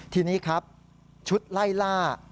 ทีนี้ชุดไล่ล่า